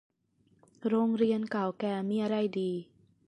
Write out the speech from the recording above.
โรงเรียนเก่าแก่มีอะไรดี